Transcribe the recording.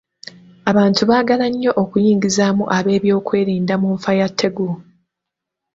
Abantu baagala nnyo okuyingizaamu ab'ebyokwerinda mu nfa ya Tegu.